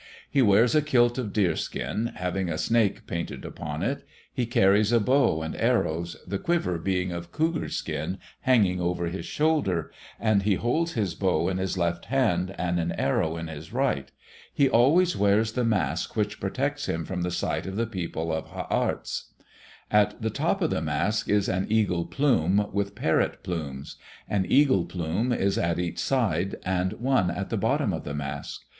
He wears a kilt of deerskin, having a snake painted upon it. He carries a bow and arrows, the quiver being of cougar skin, hanging over his shoulder, and he holds his bow in his left hand and an arrow in his right. He always wears the mask which protects him from the sight of the people of Ha arts. At the top of the mask is an eagle plume with parrot plumes; an eagle plume is at each side, and one at the bottom of the mask.